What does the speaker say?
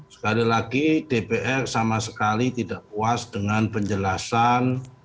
sekali lagi dpr sama sekali tidak puas dengan penjelasan